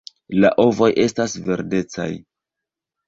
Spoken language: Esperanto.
La ovoj estas verdecaj.